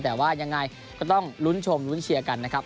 แต่ว่ายังไงก็ต้องลุ้นชมลุ้นเชียร์กันนะครับ